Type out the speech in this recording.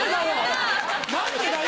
何でだよ！